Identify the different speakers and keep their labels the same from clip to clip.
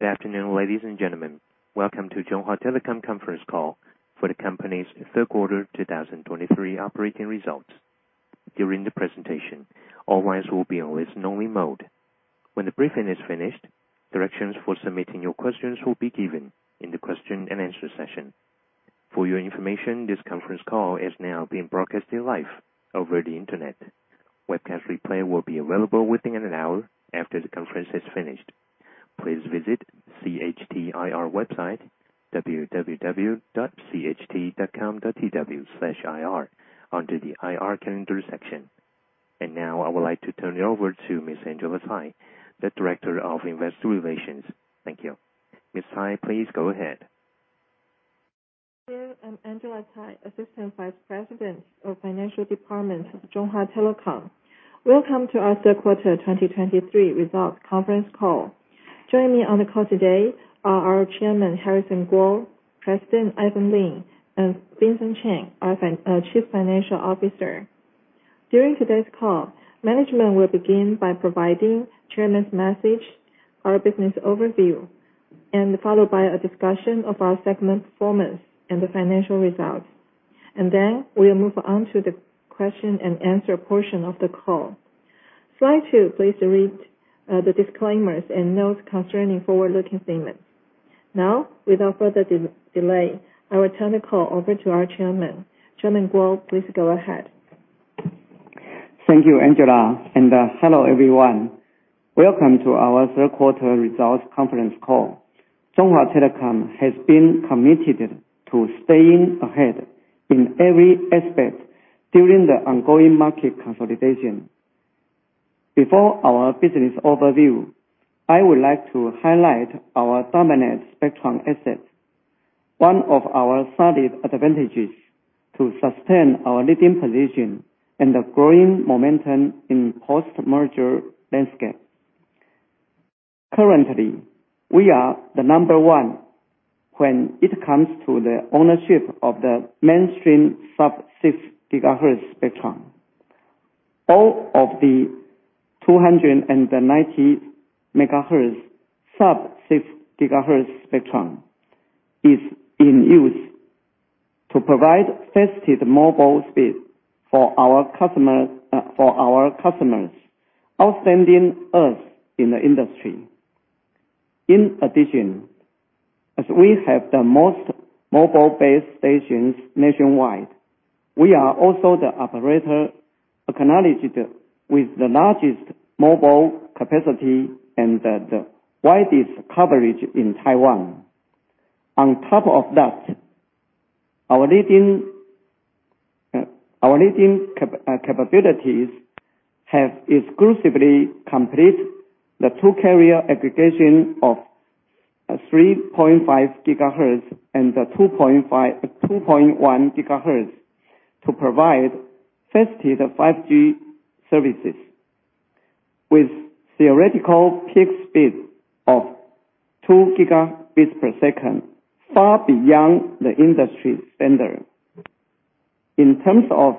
Speaker 1: Good afternoon, ladies and gentlemen. Welcome to Chunghwa Telecom conference call for the company's third quarter 2023 operating results. During the presentation, all lines will be on listen-only mode. When the briefing is finished, directions for submitting your questions will be given in the question and answer session. For your information, this conference call is now being broadcasted live over the internet. Webcast replay will be available within an hour after the conference is finished. Please visit CHT IR website, www.cht.com.tw/ir under the IR calendar section. Now, I would like to turn it over to Miss Angela Tsai, the Director of Investor Relations. Thank you. Miss Tsai, please go ahead.
Speaker 2: Sure. I'm Angela Tsai, Assistant Vice President of Financial Department of Chunghwa Telecom. Welcome to our third quarter 2023 results conference call. Joining me on the call today are our Chairman, Harrison Kuo, President Ivan Lin, and Vincent Chen, our Chief Financial Officer. During today's call, management will begin by providing Chairman's message, our business overview, and followed by a discussion of our segment performance and the financial results. Then we'll move on to the question and answer portion of the call. Slide two, please read the disclaimers and notes concerning forward-looking statements. Now, without further delay, I will turn the call over to our Chairman. Chairman Kuo, please go ahead.
Speaker 3: Thank you, Angela, and hello, everyone. Welcome to our third quarter results conference call. Chunghwa Telecom has been committed to staying ahead in every aspect during the ongoing market consolidation. Before our business overview, I would like to highlight our dominant spectrum asset, one of our solid advantages to sustain our leading position and the growing momentum in post-merger landscape. Currently, we are the number one when it comes to the ownership of the mainstream sub-6 GHz spectrum. All of the 290 MHz sub-6 GHz spectrum is in use to provide fastest mobile speed for our customers, for our customers, outstanding in the industry. In addition, as we have the most base stations nationwide, we are also the operator acknowledged with the largest mobile capacity and the widest coverage in Taiwan. On top of that, our leading capabilities have exclusively complete the two carrier aggregation of a 3.5 GHz and a 2.1 GHz, to provide 50 the 5G services, with theoretical peak speed of 2 gigabits per second, far beyond the industry standard. In terms of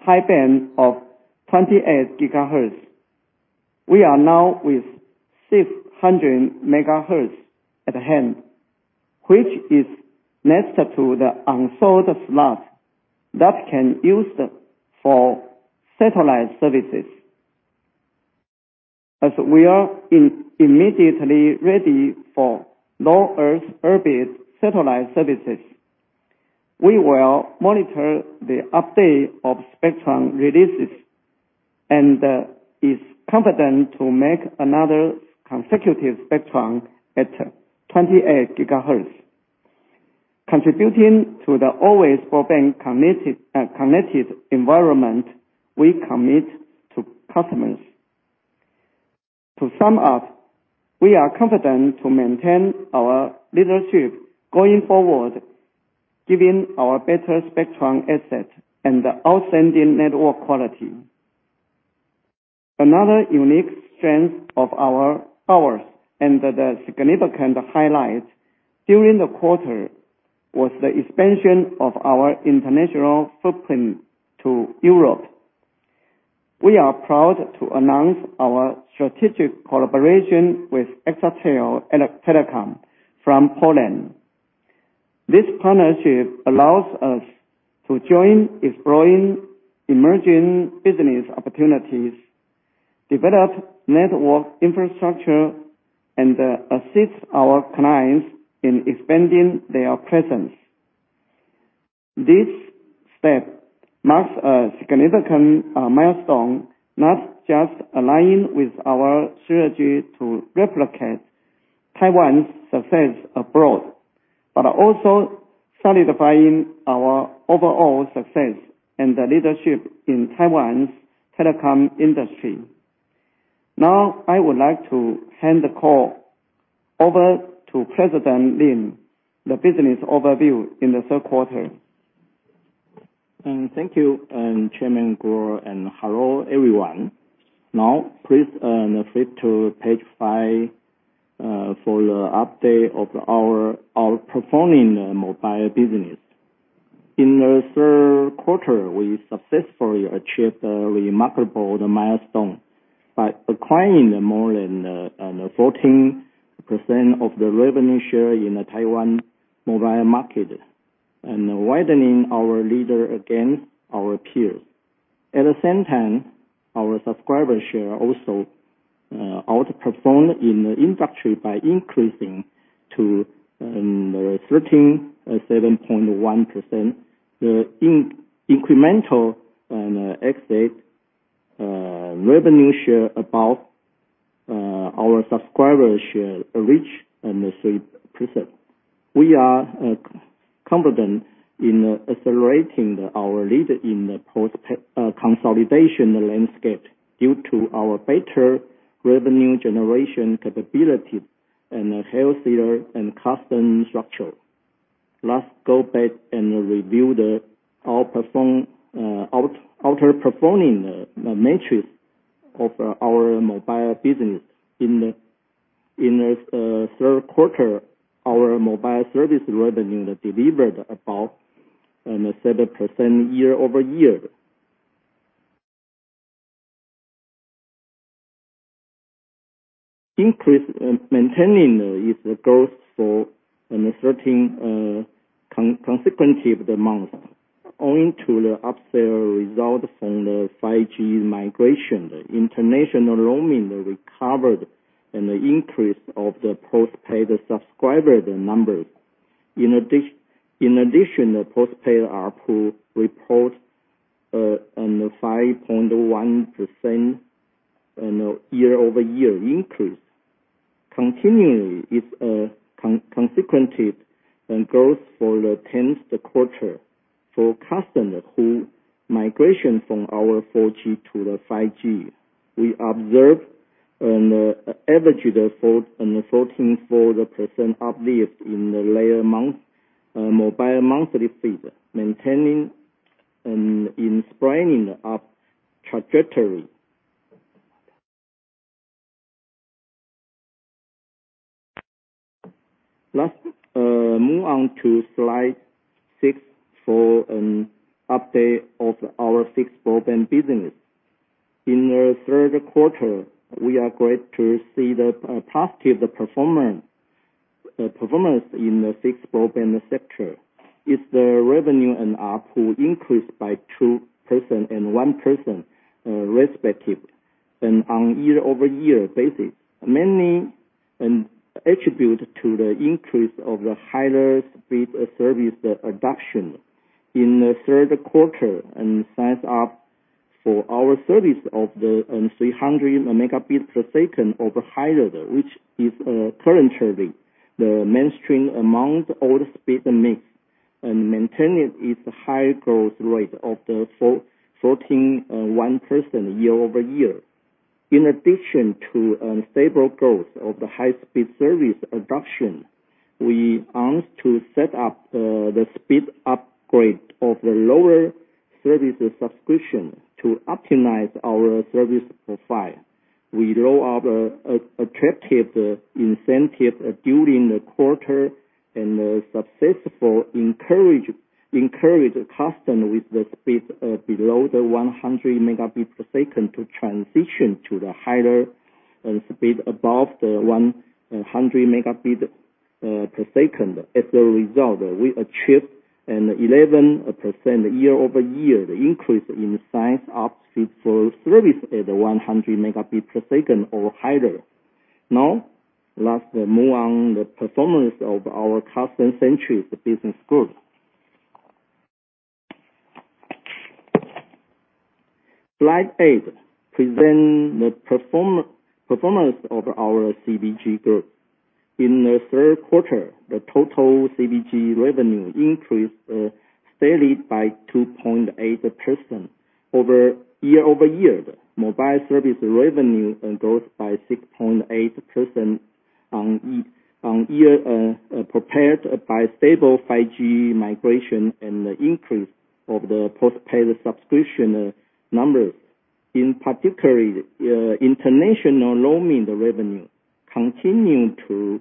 Speaker 3: high band of 28 GHz, we are now with 600 MHz at hand, which is next to the unsold slot that can use for satellite services. As we are immediately ready for Low Earth Orbit satellite services, we will monitor the update of spectrum releases and, is confident to make another consecutive spectrum at 28 GHz. Contributing to the always broadband connected environment we commit to customers. To sum up, we are confident to maintain our leadership going forward, giving our better spectrum asset and the outstanding network quality. Another unique strength of our powers and the significant highlight during the quarter was the expansion of our international footprint to Europe. We are proud to announce our strategic collaboration with EXATEL from Poland. This partnership allows us to join exploring emerging business opportunities, develop network infrastructure, and assist our clients in expanding their presence. This step marks a significant milestone, not just aligning with our strategy to replicate Taiwan's success abroad, but also solidifying our overall success and the leadership in Taiwan's telecom industry. Now, I would like to hand the call over to President Lin, the business overview in the third quarter.
Speaker 4: Thank you, Chairman Kuo, and hello, everyone. Now, please flip to page five for the update of our performing mobile business. In the third quarter, we successfully achieved a remarkable milestone by acquiring more than 14% of the revenue share in the Taiwan mobile market and widening our lead against our peers. At the same time, our subscriber share also outperformed in the industry by increasing to 13.7%. The incremental and exit revenue share above our subscriber share reached the same percent. We are confident in accelerating our lead in the post-consolidation landscape due to our better revenue generation capability and a healthier cost structure. Let's go back and review the outperforming metrics of our mobile business. In the third quarter, our mobile service revenue delivered about 7% year-over-year increase, maintaining its growth for 13 consecutive months, owing to the upsell results from the 5G migration, international roaming recovered and the increase of the postpaid subscriber numbers. In addition, the postpaid ARPU report, on the 5.1% year-over-year increase, continuing its consecutive and growth for the 10th quarter. For customers who migration from our 4G to the 5G, we observed an average of 4% and 14.4% uplift in the layer month mobile monthly fee, maintaining and in springing up trajectory. Let's move on to slide six for an update of our fixed broadband business. In the third quarter, we are great to see the positive performance, performance in the fixed broadband sector. It's the revenue and ARPU increased by 2% and 1%, respective and on year-over-year basis, mainly and attribute to the increase of the higher speed service adoption. In the third quarter, and signs up for our service of the, 300 Mbps or higher, which is, currently the mainstream among all speed mix, and maintaining its high growth rate of the 41.1% year-over-year. In addition to, stable growth of the high speed service adoption, we asked to set up, the speed upgrade of the lower service subscription to optimize our service profile. We roll out attractive incentive during the quarter and successfully encourage customers with the speed below the 100 Mbps to transition to the higher speed above the 100 Mbps. As a result, we achieved an 11% year-over-year increase in subscriber speed for service at 100 Mbps or higher. Now, let's move on to the performance of our Customer Business Group. Slide eight presents the performance of our CBG group. In the third quarter, the total CBG revenue increased steadily by 2.8% year-over-year. The mobile service revenue grows by 6.8% year-over-year, propelled by stable 5G migration and the increase of the postpaid subscription numbers. In particular, international roaming revenue continuing to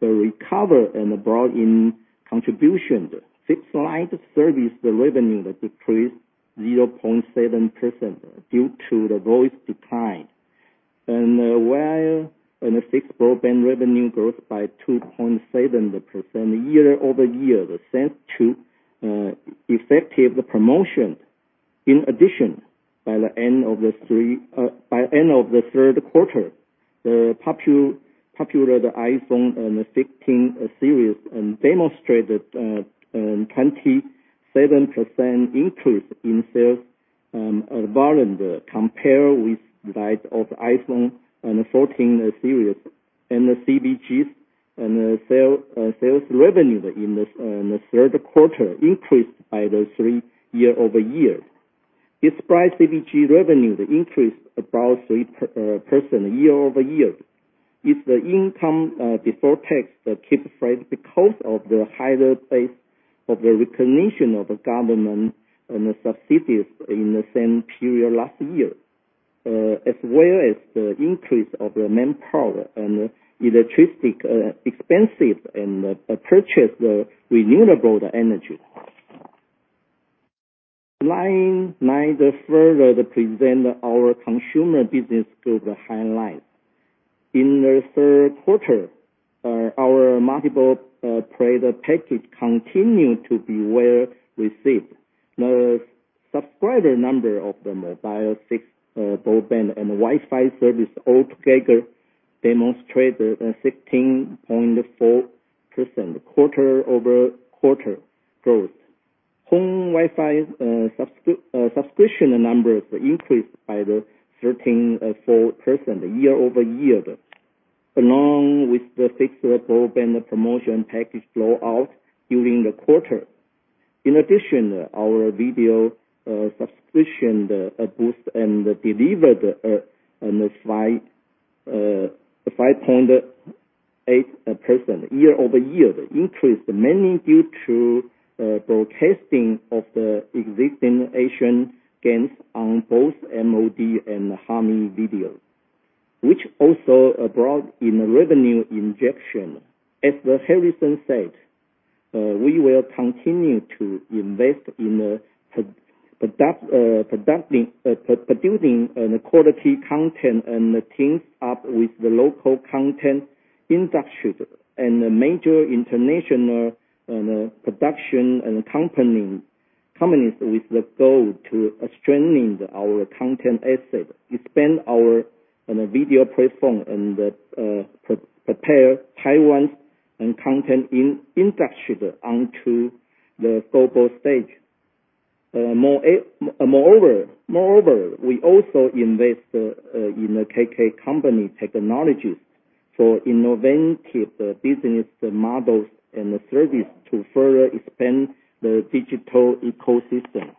Speaker 4: recover and bring in contributions. Fixed line service revenue decreased 0.7% due to the voice decline. While in the fixed broadband revenue growth by 2.7% year-over-year, thanks to effective promotion. In addition, by the end of the third quarter, the popular iPhone 15 series demonstrated 27% increase in sales volume compared with that of iPhone 14 series. And the CBG's and the sales revenue in the third quarter increased by 3% year-over-year. Despite CBG revenue, the increase about 3% year-over-year, its income before tax keep flat because of the higher base of the recognition of the government and the subsidies in the same period last year. as well as the increase of the manpower and electricity expenses and purchase the renewable energy. Slide 9 further present our consumer business to the highlight. In the third quarter, our multiple product package continued to be well received. The subscriber number of the mobile 5G broadband and Wi-Fi service altogether demonstrated a 16.4% quarter-over-quarter growth. Home Wi-Fi subscription numbers increased by 13.4% year-over-year, along with the fixed broadband promotion package roll out during the quarter. In addition, our video subscription boost and delivered on a 5.58% year-over-year increase, mainly due to broadcasting of the Asian Games on both MOD and Hami Video, which also brought in revenue injection. As Harrison said, we will continue to invest in the producing and quality content, and teams up with the local content industry and the major international production and companies with the goal to strengthening our content asset, expand our video platform, and prepare Taiwan's content industry onto the global stage. Moreover, we also invest in the KKCompany Technologies for innovative business models and service to further expand the digital ecosystem.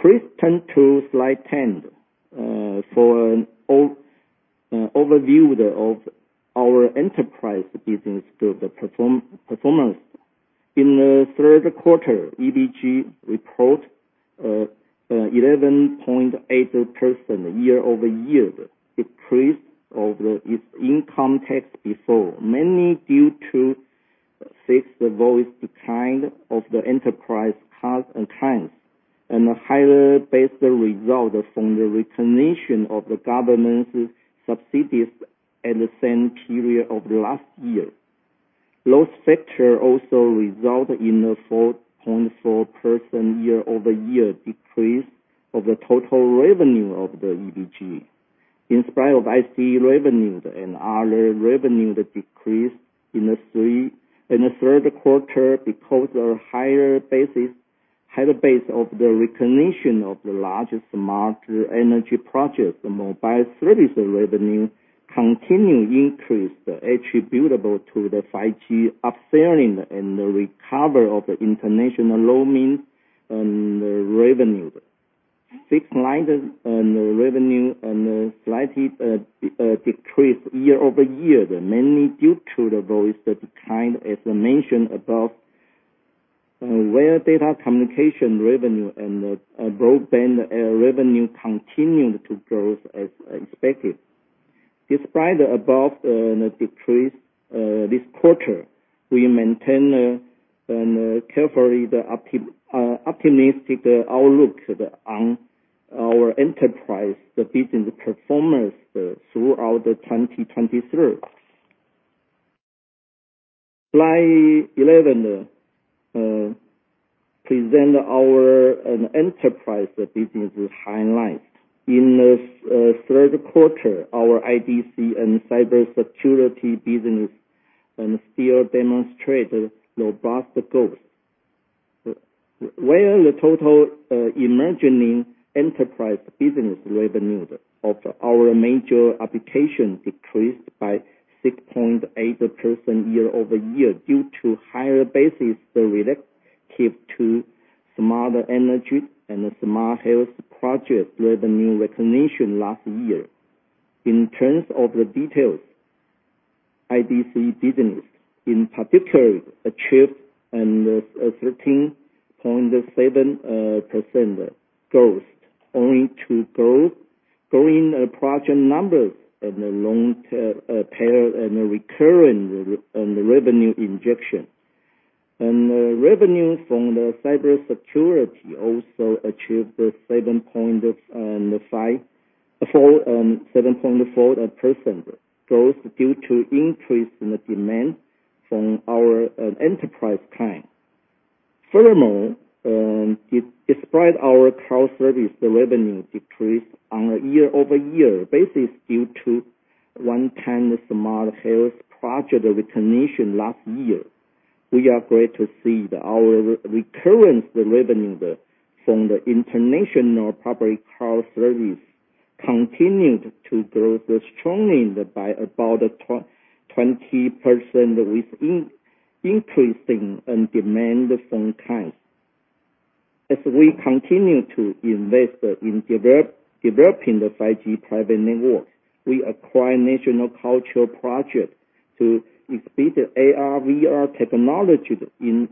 Speaker 4: Please turn to slide 10 for an overview of our enterprise business performance. In the third quarter, EBG reported 11.8% year-over-year decrease of its income before tax, mainly due to fixed voice decline of the enterprise cost and clients, and a higher base result from the recognition of the government's subsidies at the same period of the last year. Those factor also result in a 4.4% year-over-year decrease of the total revenue of the EBG. In spite of ICT revenues and other revenue decrease in the third quarter, because of higher base of the recognition of the largest smart energy project, mobile service revenue continue increase attributable to the 5G upselling and the recovery of the international roaming and revenue. Fixed line and revenue and slightly decrease year-over-year, mainly due to the voice decline, as I mentioned above. Where data communication revenue and broadband revenue continued to growth as expected. Despite above decrease this quarter, we maintain and carefully the optimistic outlook on our enterprise business performance throughout 2023. Slide 11 present our an enterprise business highlights. In the third quarter, our IDC and cybersecurity business still demonstrate robust growth. Where the total ICT enterprise business revenue of our major application decreased by 6.8% year-over-year due to higher basis the relative to smart energy and smart health project revenue recognition last year. In terms of the details, IDC business, in particular, achieved a 13.7% growth, owing to growth growing project numbers and long-term and recurring revenue injection. Revenue from the cybersecurity also achieved the 7.4% growth due to increase in the demand from our enterprise client. Furthermore, despite our cloud service revenue decrease on a year-over-year basis due to one-time smart health project recognition last year, we are great to see that our recurring revenue from the international public health service continued to grow strongly by about 20%, with increasing demand from clients. As we continue to invest in developing the 5G private network, we acquire national cultural project to expand the AR/VR technology in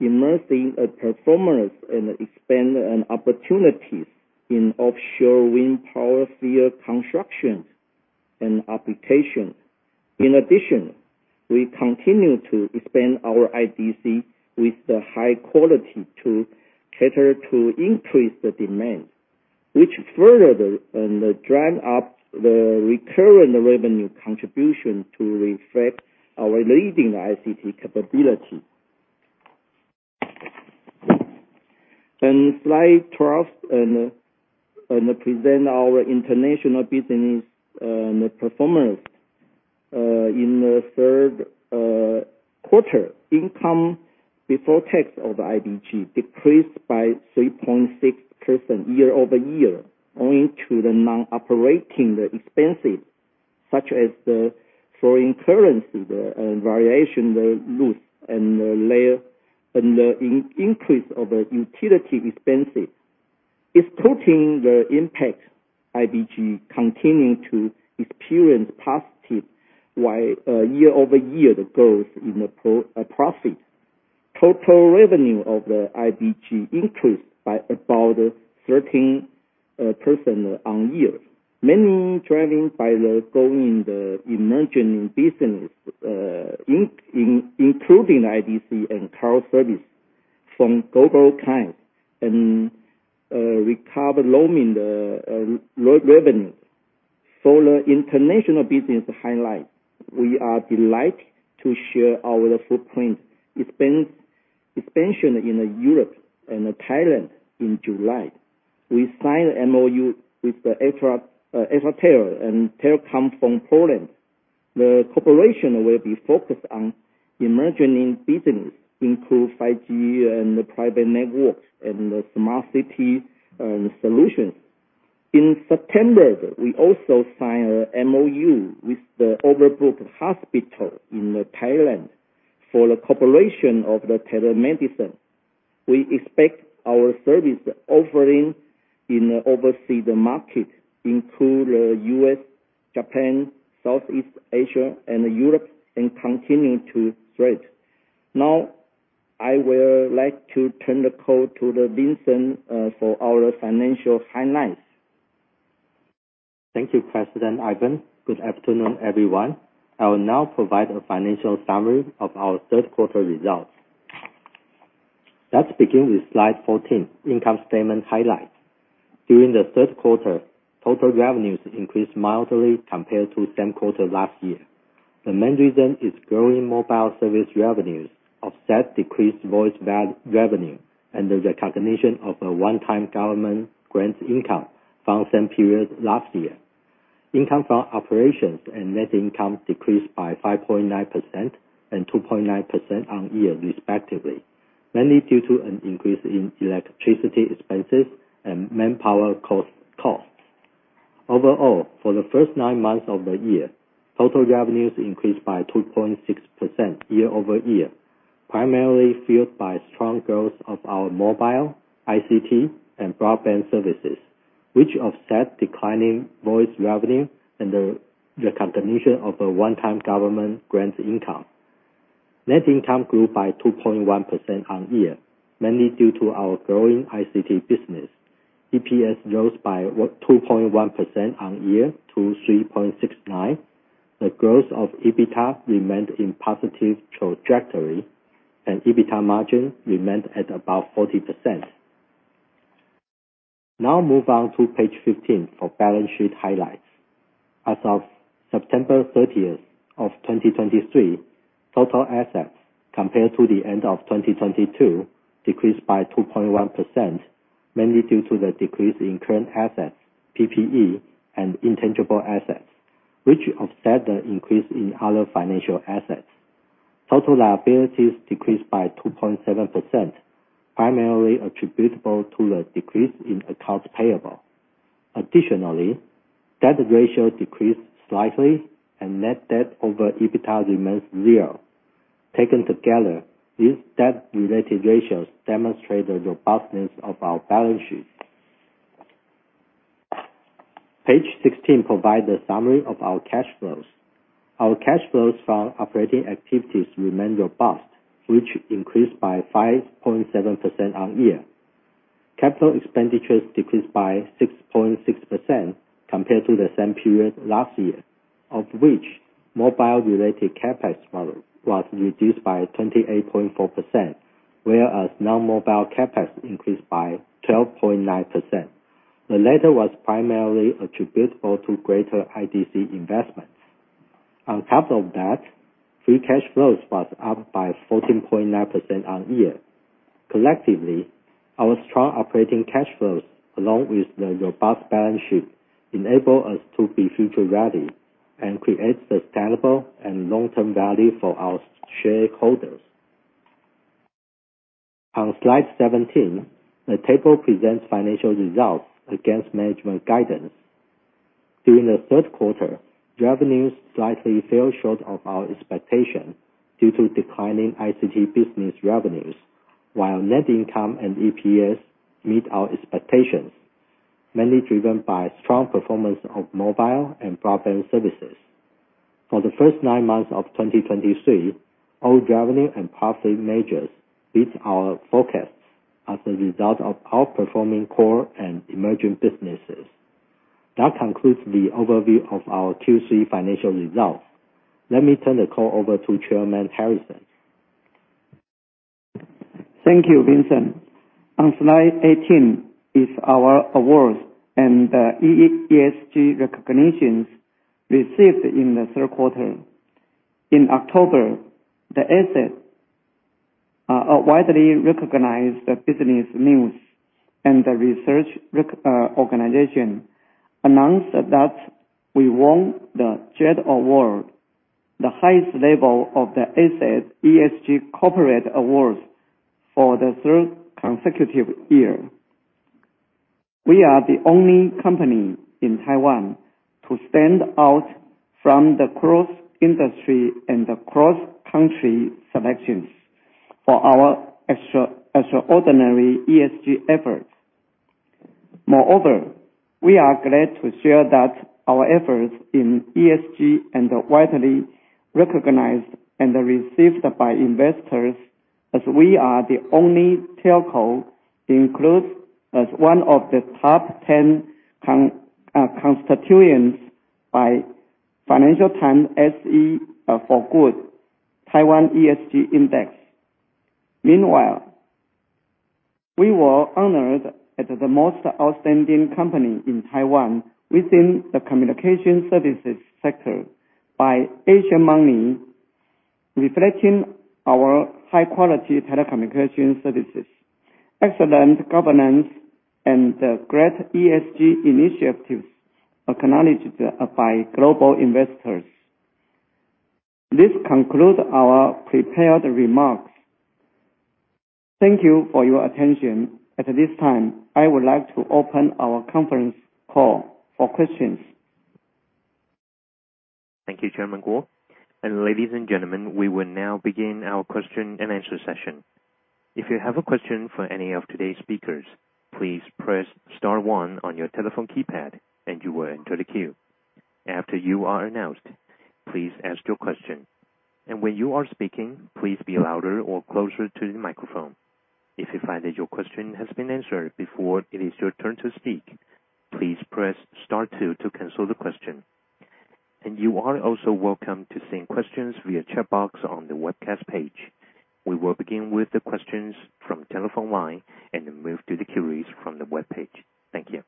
Speaker 4: immersing performers and expand opportunities in offshore wind power field construction and application. In addition, we continue to expand our IDC with the high quality to cater to increase the demand, which further drive up the recurring revenue contribution to reflect our leading ICT capability. On slide 12, present our international business performance. In the third quarter, income before tax of IBG decreased by 3.6% year-over-year, owing to the non-operating expenses, such as the foreign currency variation loss and the increase of utility expenses. Excluding the impact, IBG continuing to experience positive year-over-year growth in the profit. Total revenue of the IBG increased by about 13% year-on-year, mainly driven by the growth in the emerging business, including IDC and cloud service from global clients and recovery in roaming revenues. For the international business highlight, we are delighted to share our footprint expansion in Europe and Thailand in July. We signed an MoU with EXATEL from Poland. The collaboration will be focused on emerging business, including 5G and private networks and the smart city solutions. In September, we also signed an MoU with the Overbrook Hospital in Thailand for the cooperation of the telemedicine. We expect our service offering in the overseas market include the U.S., Japan, Southeast Asia, and Europe, and continue to spread. Now, I would like to turn the call to Vincent for our financial highlights.
Speaker 5: Thank you, President Ivan. Good afternoon, everyone. I will now provide a financial summary of our third quarter results. Let's begin with slide 14, income statement highlights. During the third quarter, total revenues increased mildly compared to the same quarter last year. The main reason is growing mobile service revenues offset decreased voice revenue and the recognition of a one-time government grant income from same period last year. Income from operations and net income decreased by 5.9% and 2.9% year-on-year respectively, mainly due to an increase in electricity expenses and manpower costs. Overall, for the first nine months of the year, total revenues increased by 2.6% year-over-year, primarily fueled by strong growth of our mobile, ICT and broadband services, which offset declining voice revenue and the recognition of a one-time government grant income. Net income grew by 2.1% on year, mainly due to our growing ICT business. EPS rose by what? 2.1% on year to 3.69. The growth of EBITDA remained in positive trajectory, and EBITDA margin remained at about 40%. Now move on to page 15 for balance sheet highlights. As of September 30, 2023, total assets compared to the end of 2022 decreased by 2.1%, mainly due to the decrease in current assets, PPE and intangible assets, which offset the increase in other financial assets. Total liabilities decreased by 2.7%, primarily attributable to the decrease in accounts payable. Additionally, debt ratio decreased slightly and net debt over EBITDA remains zero. Taken together, these debt-related ratios demonstrate the robustness of our balance sheet. Page 16 provide a summary of our cash flows. Our cash flows from operating activities remain robust, which increased by 5.7% on year. Capital expenditures decreased by 6.6% compared to the same period last year, of which mobile-related CapEx model was reduced by 28.4%, whereas non-mobile CapEx increased by 12.9%. The latter was primarily attributable to greater IDC investments. On top of that, free cash flows was up by 14.9% on year. Collectively, our strong operating cash flows, along with the robust balance sheet, enable us to be future ready and create sustainable and long-term value for our shareholders. On slide 17, the table presents financial results against management guidance. During the third quarter, revenues slightly fell short of our expectation due to declining ICT business revenues, while net income and EPS meet our expectations. mainly driven by strong performance of mobile and broadband services. For the first nine months of 2023, all revenue and profit measures beat our forecasts as a result of outperforming core and emerging businesses. That concludes the overview of our Q3 financial results. Let me turn the call over to Chairman Harrison.
Speaker 3: Thank you, Vincent. On slide 18 is our awards and ESG recognitions received in the third quarter. In October, The Asset, a widely recognized business news and research organization, announced that we won the Jade Award, the highest level of The Asset ESG Corporate Awards for the third consecutive year. We are the only company in Taiwan to stand out from the cross-industry and cross-country selections for our extraordinary ESG efforts. Moreover, we are glad to share that our efforts in ESG are widely recognized and received by investors, as we are the only telco included as one of the top ten constituents by FTSE4Good TIP Taiwan ESG Index. Meanwhile, we were honored as the most outstanding company in Taiwan within the communication services sector by Asiamoney, reflecting our high quality telecommunication services, excellent governance, and the great ESG initiatives acknowledged by global investors. This concludes our prepared remarks. Thank you for your attention. At this time, I would like to open our conference call for questions.
Speaker 1: Thank you, Chairman Kuo. Ladies and gentlemen, we will now begin our question and answer session. If you have a question for any of today's speakers, please press star one on your telephone keypad and you will enter the queue. After you are announced, please ask your question, and when you are speaking, please be louder or closer to the microphone. If you find that your question has been answered before it is your turn to speak, please press star two to cancel the question. You are also welcome to send questions via chat box on the webcast page. We will begin with the questions from telephone line and then move to the queries from the webpage. Thank you.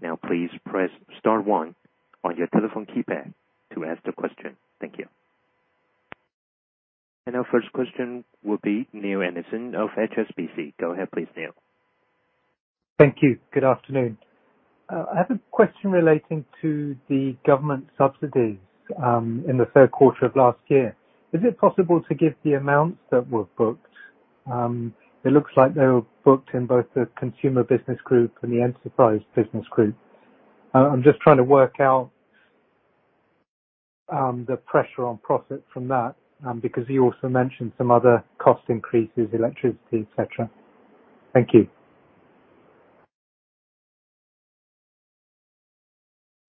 Speaker 1: Now, please press star one on your telephone keypad to ask the question. Thank you. Our first question will be Neale Anderson of HSBC. Go ahead, please, Neale.
Speaker 6: Thank you. Good afternoon. I have a question relating to the government subsidies in the third quarter of last year. Is it possible to give the amounts that were booked? It looks like they were booked in both the consumer business group and the enterprise business group. I'm just trying to work out the pressure on profit from that, because you also mentioned some other cost increases, electricity, et cetera. Thank you.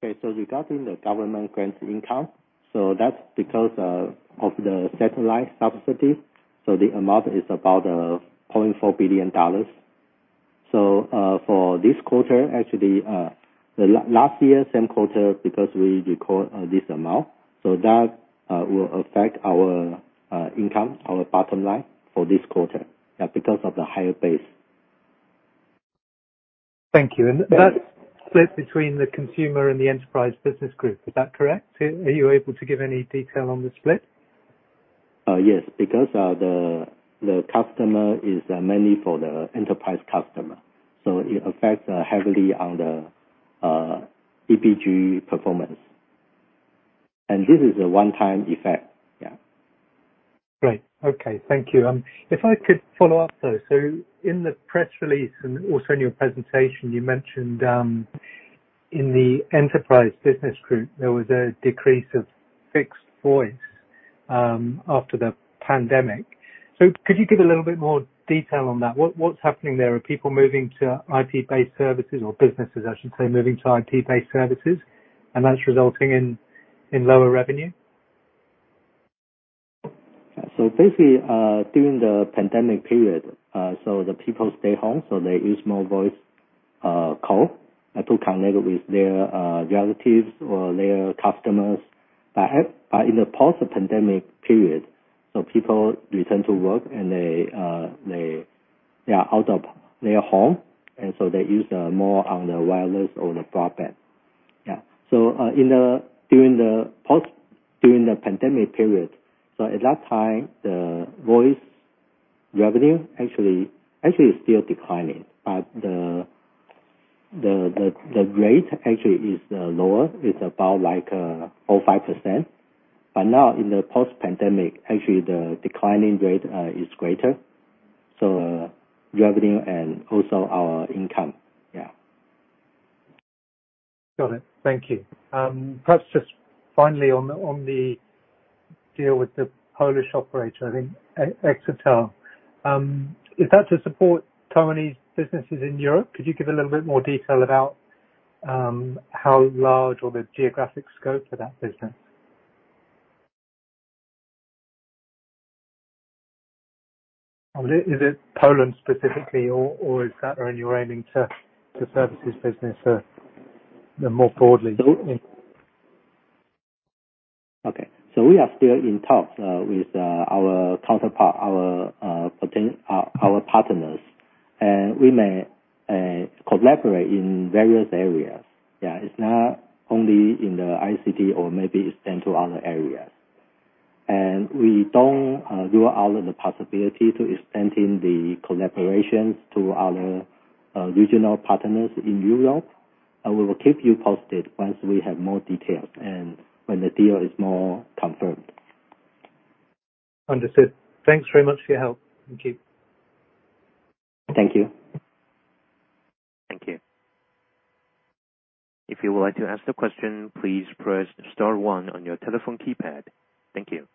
Speaker 5: Okay. So regarding the government grant income, that's because of the satellite subsidy, so the amount is about $0.4 billion. So, for this quarter, actually, the last year, same quarter, because we record this amount, so that will affect our income, our bottom line for this quarter, yeah, because of the higher base.
Speaker 6: Thank you. That's split between the consumer and the enterprise business group. Is that correct? Are you able to give any detail on the split?
Speaker 5: Yes, because the customer is mainly for the enterprise customer, so it affects heavily on the EPG performance. And this is a one-time effect. Yeah.
Speaker 6: Great. Okay. Thank you. If I could follow up, though, so in the press release, and also in your presentation, you mentioned in the enterprise business group, there was a decrease of fixed voice after the pandemic. So could you give a little bit more detail on that? What's happening there? Are people moving to IP-based services or businesses, I should say, moving to IP-based services, and that's resulting in lower revenue?
Speaker 5: Basically, during the pandemic period, so the people stay home, so they use more voice call to connect with their relatives or their customers. But in the post-pandemic period, so people return to work and they are out of their home, and so they use more on the wireless or the broadband. Yeah. So during the pandemic period, so at that time, the voice revenue actually is still declining, but the rate actually is lower. It's about, like, 5%. But now in the post-pandemic, actually, the declining rate is greater, so revenue and also our income. Yeah.
Speaker 6: Got it. Thank you. Perhaps just finally on the deal with the Polish operator, I think EXATEL. Is that to support Taiwanese businesses in Europe? Could you give a little bit more detail about how large or the geographic scope for that business? Is it Poland specifically, or is that, and you're aiming to service this business more broadly?
Speaker 3: Okay. We are still in talks with our counterpart, our partners, and we may collaborate in various areas. Yeah. It's not only in the ICT or maybe extend to other areas. We don't rule out the possibility to extending the collaborations to other regional partners in Europe, and we will keep you posted once we have more details and when the deal is more confirmed.
Speaker 6: Understood. Thanks very much for your help. Thank you.
Speaker 3: Thank you.
Speaker 1: Thank you. If you would like to ask the question, please press star one on your telephone keypad. Thank you.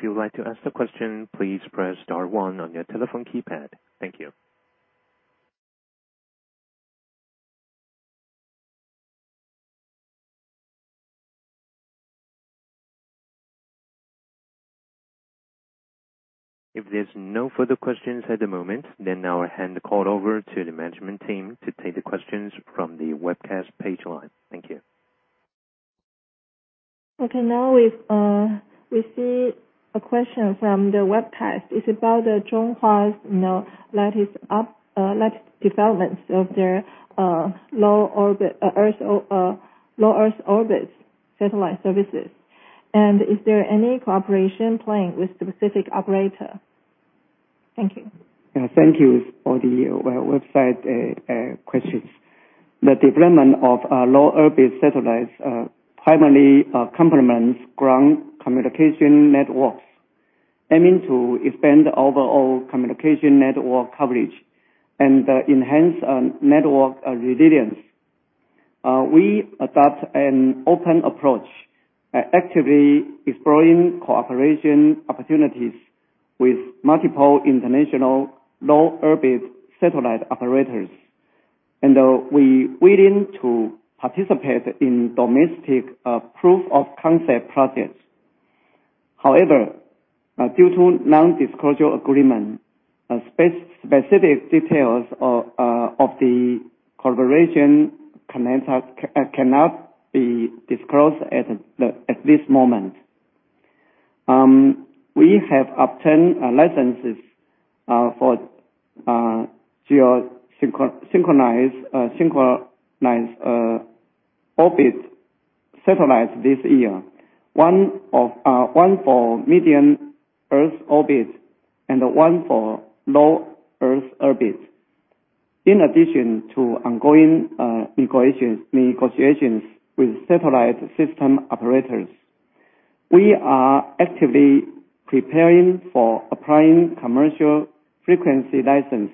Speaker 1: If you would like to ask the question, please press star one on your telephone keypad. Thank you. If there's no further questions at the moment, then I will hand the call over to the management team to take the questions from the webcast page line. Thank you.
Speaker 2: Okay, now we've received a question from the webcast. It's about the Chunghwa, you know, latest developments of their Low Earth Orbit satellite services. Is there any cooperation plan with specific operator? Thank you.
Speaker 3: Yeah. Thank you for the website questions. The deployment of Low Orbit satellites primarily complements ground communication networks, aiming to expand overall communication network coverage and enhance network resilience. We adopt an open approach, actively exploring cooperation opportunities with multiple international Low Orbit satellite operators, and we're willing to participate in domestic proof of concept projects. However, due to non-disclosure agreement, space-specific details of the collaboration cannot be disclosed at this moment. We have obtained licenses for geosynchronous orbit satellites this year. One for Medium Earth Orbit and one for Low Earth Orbit. In addition to ongoing negotiations with satellite system operators, we are actively preparing for applying commercial frequency license,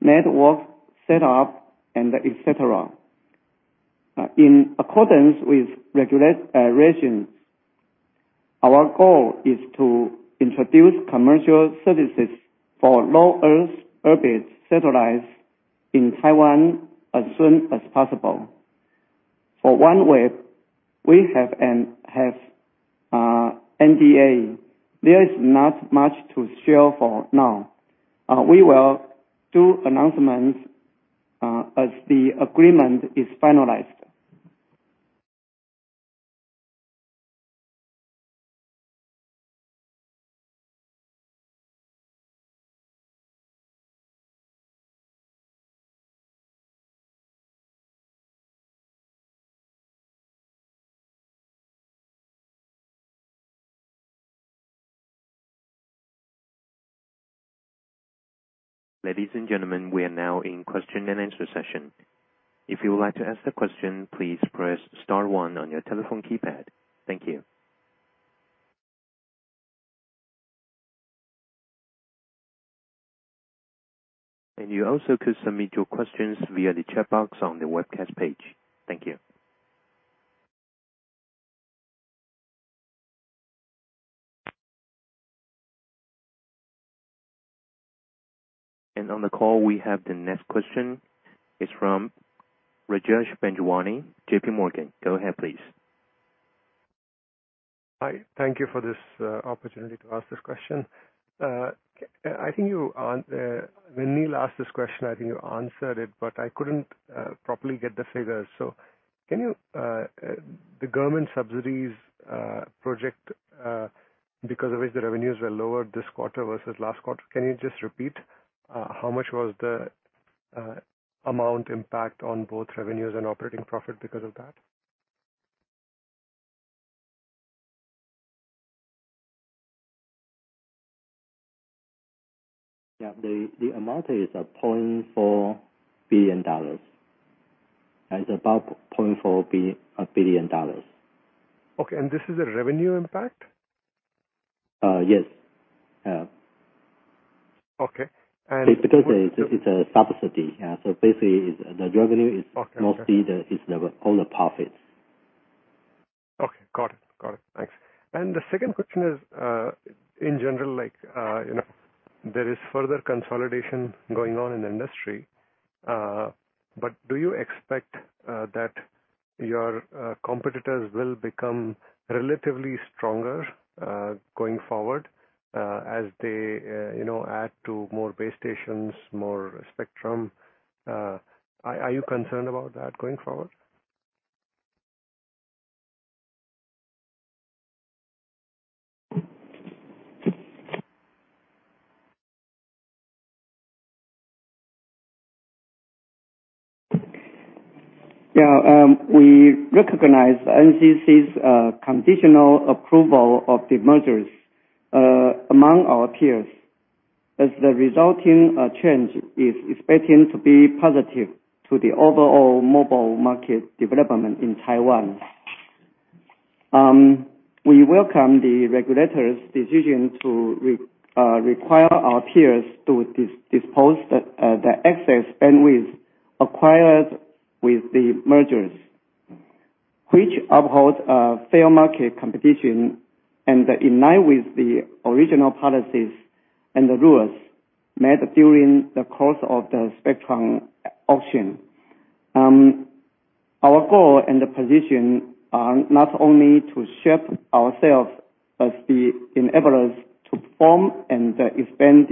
Speaker 3: network set up, and et cetera. In accordance with regulatory regions, our goal is to introduce commercial services for Low Earth Orbit satellites in Taiwan as soon as possible. For OneWeb, we have an NDA. There is not much to share for now. We will do announcements as the agreement is finalized.
Speaker 1: Ladies and gentlemen, we are now in question and answer session. If you would like to ask the question, please press star one on your telephone keypad. Thank you. And you also could submit your questions via the chat box on the webcast page. Thank you. And on the call, we have the next question. It's from Rajesh Panjwani, J.P. Morgan. Go ahead, please.
Speaker 7: Hi, thank you for this opportunity to ask this question. I think you an- when Neale asked this question, I think you answered it, but I couldn't properly get the figures. So can you the government subsidies project because of which the revenues were lower this quarter versus last quarter, can you just repeat? How much was the amount impact on both revenues and operating profit because of that?
Speaker 3: Yeah, the amount is $0.4 billion, and it's about $0.4 billion.
Speaker 7: Okay. And this is a revenue impact?
Speaker 3: Yes. Yeah.
Speaker 7: Okay, and
Speaker 3: Because it, it's a subsidy. Yeah. So basically, the revenue is-
Speaker 7: Okay.
Speaker 3: Mostly the, is the all the profits.
Speaker 7: Okay, got it. Got it. Thanks. And the second question is, in general, like, you know, there is further consolidation going on in the industry, but do you expect that your competitors will become relatively stronger, going forward, as they, you know, add to more base stations, more spectrum? Are you concerned about that going forward?
Speaker 3: Yeah. We recognize NCC's conditional approval of the mergers among our peers, as the resulting change is expecting to be positive to the overall mobile market development in Taiwan. We welcome the regulators' decision to require our peers to dispose the excess bandwidth acquired with the mergers, which upholds a fair market competition and in line with the original policies and the rules made during the course of the spectrum auction. Our goal and the position are not only to shape ourselves as the enablers to perform and expand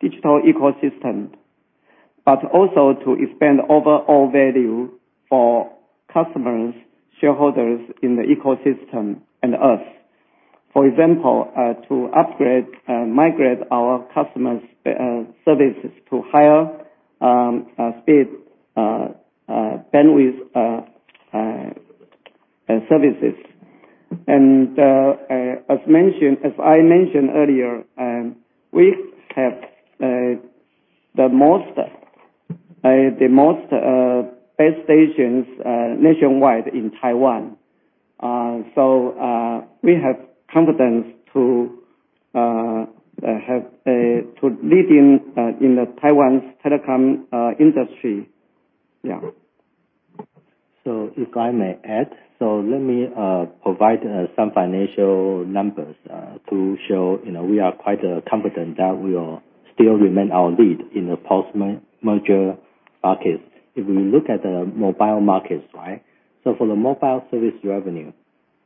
Speaker 3: digital ecosystem, but also to expand overall value for customers, shareholders in the ecosystem and us. For example, to upgrade and migrate our customers' services to higher speed bandwidth services. As mentioned, as I mentioned earlier, we have the most base stations nationwide in Taiwan. So, we have confidence to have to lead in the Taiwan's telecom industry. Yeah.
Speaker 5: If I may add, let me provide some financial numbers to show, you know, we are quite confident that we will still remain our lead in the post-merger market. If we look at the mobile markets, right? For the mobile service revenue,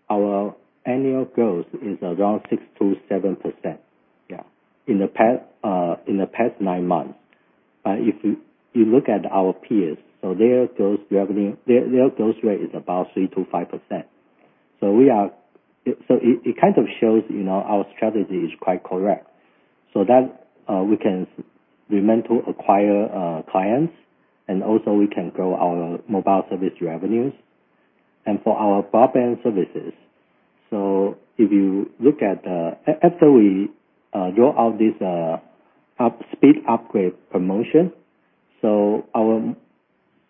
Speaker 5: our annual growth is around 6%-7%, yeah, in the past nine months. But if you look at our peers, their growth rate is about 3%-5%. So it kind of shows, you know, our strategy is quite correct, so that we can remain to acquire clients, and also we can grow our mobile service revenues. For our broadband services, so if you look at, after we roll out this up-speed upgrade promotion, so our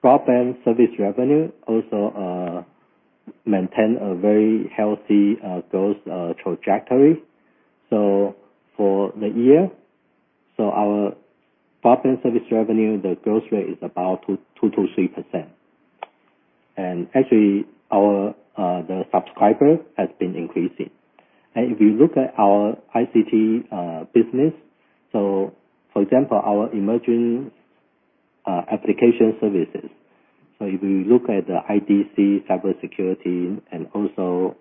Speaker 5: broadband service revenue also maintain a very healthy growth trajectory. So for the year, so our broadband service revenue, the growth rate is about 2%-3%. And actually, our the subscriber has been increasing. And if you look at our ICT business, so for example, our emerging application services, so if you look at the IDC cybersecurity and also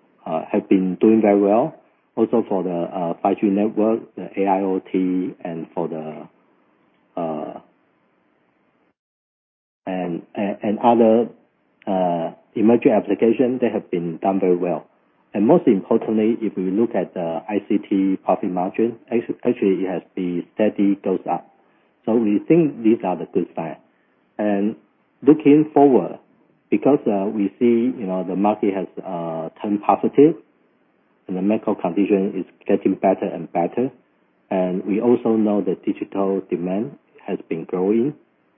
Speaker 5: have been doing very well. Also for the 5G network, the AIoT, and for the and other emerging applications, they have been done very well. And most importantly, if we look at the ICT profit margin, actually, it has been steady goes up. So we think these are the good signs. Looking forward, because we see, you know, the market has turned positive, and the macro condition is getting better and better, and we also know that digital demand has been growing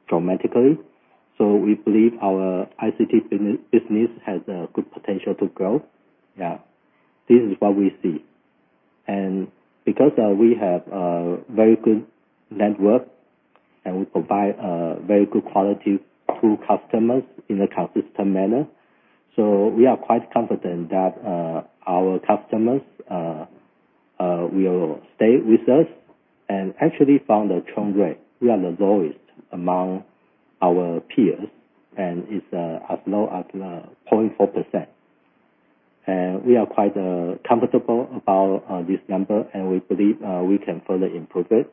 Speaker 5: dramatically, so we believe our ICT business has a good potential to grow. Yeah. This is what we see. Because we have a very good network, and we provide very good quality to customers in a consistent manner, so we are quite confident that our customers will stay with us. Actually from the churn rate, we are the lowest among our peers, and it's as low as 0.4%. We are quite comfortable about this number, and we believe we can further improve it.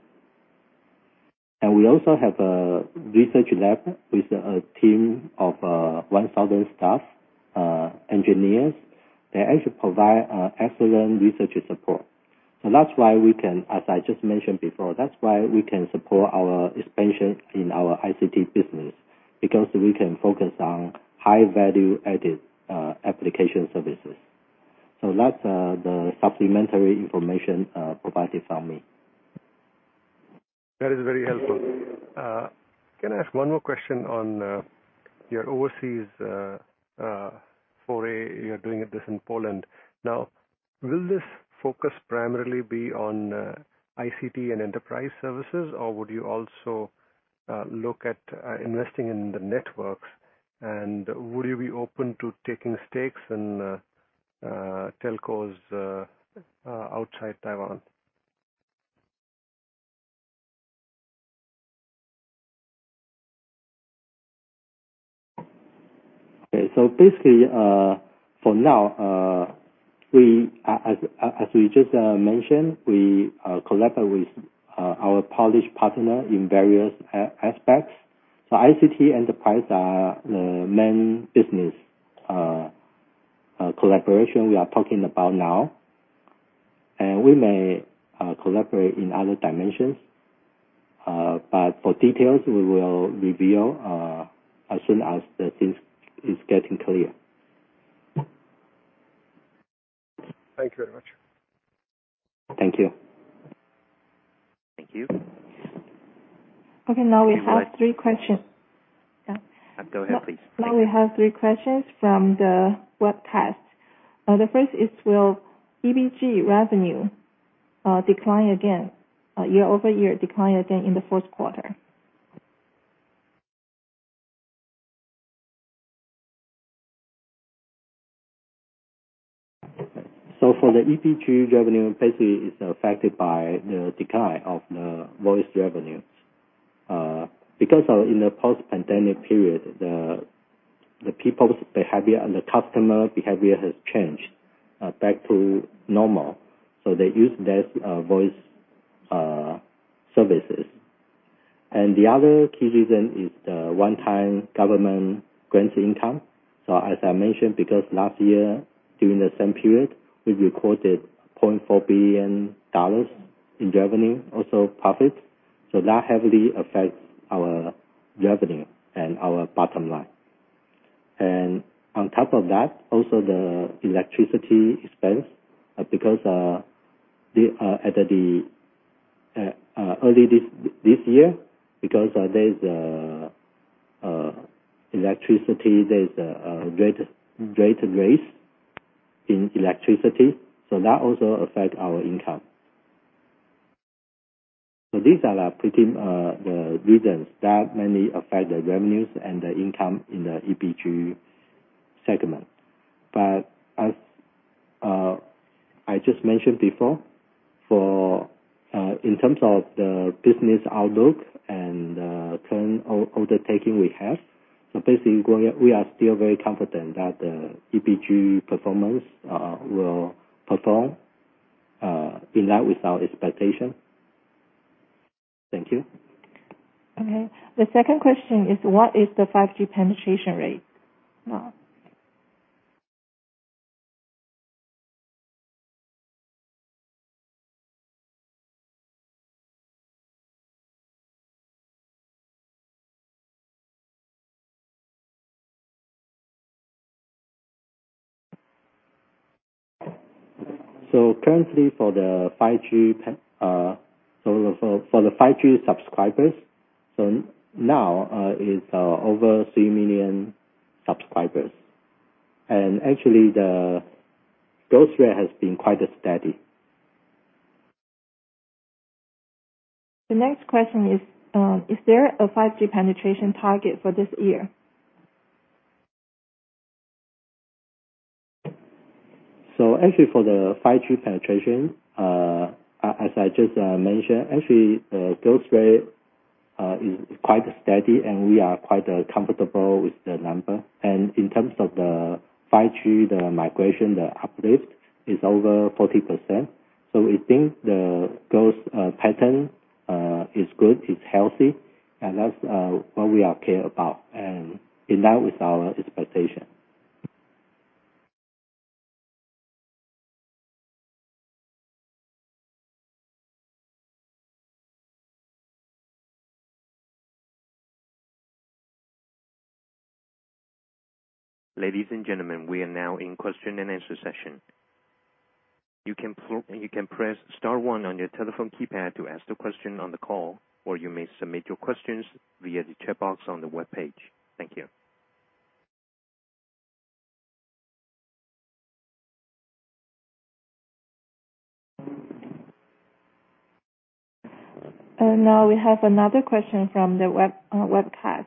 Speaker 5: We also have a research lab with a team of 1,000 staff engineers. They actually provide excellent research and support. So that's why we can, as I just mentioned before, that's why we can support our expansion in our ICT business, because we can focus on high value added application services. So that's the supplementary information provided from me.
Speaker 7: That is very helpful. Can I ask one more question on your overseas foray? You're doing this in Poland. Now, will this focus primarily be on ICT and enterprise services, or would you also look at investing in the networks? And would you be open to taking stakes in telcos outside Taiwan?
Speaker 5: Okay. So basically, for now, we, as we just mentioned, we collaborate with our Polish partner in various aspects. So ICT enterprise are the main business collaboration we are talking about now, and we may collaborate in other dimensions. But for details, we will reveal as soon as the things is getting clear.
Speaker 7: Thank you very much.
Speaker 5: Thank you.
Speaker 1: Thank you.
Speaker 2: Okay, now we have three questions. Yeah.
Speaker 1: Go ahead, please.
Speaker 2: Now we have three questions from the webcast. The first is, will EBG revenue decline again, year-over-year, decline again in the fourth quarter?
Speaker 5: For the EBG revenue, basically it's affected by the decline of the voice revenue. Because of in the post-pandemic period, the people's behavior and the customer behavior has changed back to normal, so they use less voice services. And the other key reason is the one-time government grant income. So as I mentioned, because last year, during the same period, we recorded $0.4 billion in revenue, also profit. So that heavily affects our revenue and our bottom line. And on top of that, also the electricity expense, because at the early this year, because there's a electricity, there's a rate raise in electricity, so that also affect our income. So these are the pretty the reasons that mainly affect the revenues and the income in the EBG segment. But as I just mentioned before, for in terms of the business outlook and current undertaking we have, so basically, we are still very confident that the EBG performance will perform in line with our expectation. Thank you.
Speaker 2: Okay. The second question is: What is the 5G penetration rate now?
Speaker 5: So currently, for the 5G plan, so for the 5G subscribers, so now, it's over 3,000,000 subscribers. And actually, the growth rate has been quite steady.
Speaker 2: The next question is: Is there a 5G penetration target for this year?
Speaker 5: Actually, for the 5G penetration, as I just mentioned, actually, the growth rate is quite steady, and we are quite comfortable with the number. And in terms of the 5G, the migration, the uplift is over 40%, so we think the growth pattern is good, it's healthy, and that's what we are care about, and in line with our expectation.
Speaker 1: Ladies and gentlemen, we are now in question and answer session. You can, you can press star one on your telephone keypad to ask the question on the call, or you may submit your questions via the chat box on the web page. Thank you.
Speaker 2: Now we have another question from the webcast.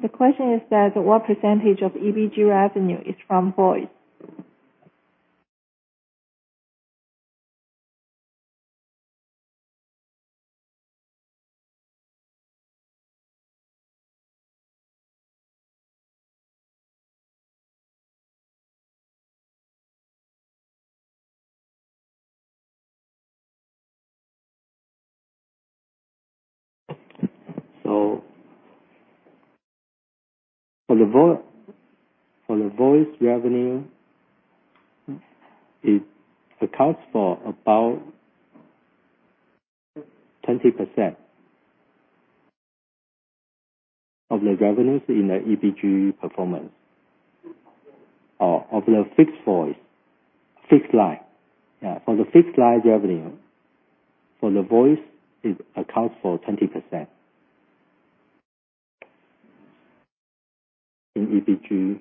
Speaker 2: The question is that, what percentage of EBG revenue is from voice?
Speaker 5: For the voice revenue, it accounts for about 20% of the revenues in the EBG performance, or of the fixed voice, fixed line. Yeah, for the fixed line revenue, for the voice, it accounts for 20% in EBG.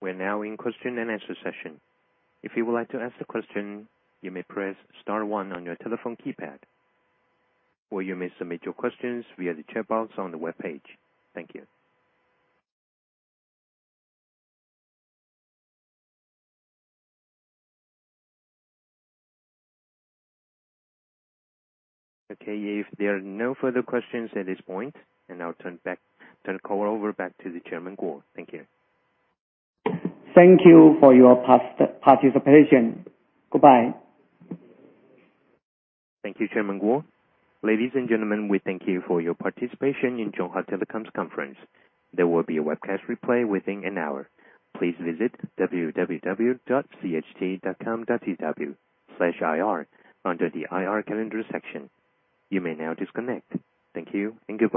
Speaker 1: We're now in question and answer session. If you would like to ask a question, you may press star one on your telephone keypad, or you may submit your questions via the chat box on the web page. Thank you. Okay, if there are no further questions at this point, then I'll turn the call back over to the Chairman Kuo. Thank you.
Speaker 3: Thank you for your past participation. Goodbye.
Speaker 1: Thank you, Chairman Kuo. Ladies and gentlemen, we thank you for your participation in Chunghwa Telecom's conference. There will be a webcast replay within an hour. Please visit www.cht.com.tw/ir under the IR calendar section. You may now disconnect. Thank you and goodbye.